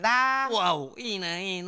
ワオいいないいな。